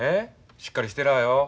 しっかりしてらあよ。